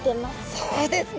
そうですね。